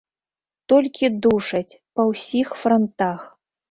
Толькі душаць, па ўсіх франтах.